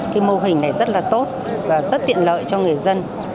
cái mô hình này rất là tốt và rất tiện lợi cho người dân